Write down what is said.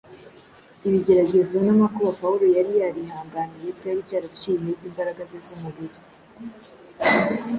Ibigeragezo n’amakuba Pawulo yari yarihanganiye byari byaraciye intege imbaraga ze z’umubiri